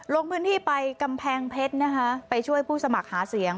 ลงพื้นที่ไปกำแพงเพชรนะคะไปช่วยผู้สมัครหาเสียง